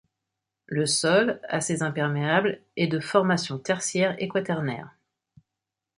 Le sol, assez imperméable, est de formations tertiaire et quaternaire.